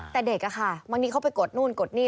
แต่เด็กอะค่ะบางทีเขาไปกดนู่นกดนี่